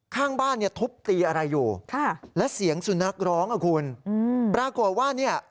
ข้างบ้านทุบตีอะไรอยู่และเสียงสุนัขร้องอะคุณปรากฏว่า